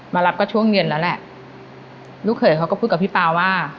มารับก็ช่วงเย็นแล้วแหละลูกเขยเขาก็พูดกับพี่ป๊าว่า